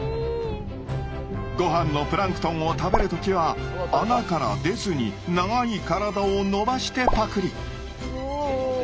ごはんのプランクトンを食べるときは穴から出ずに長い体を伸ばしてパクリ。